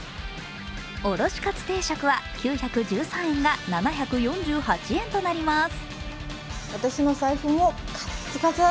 おろしカツ定食は９１３円が７４８円となります。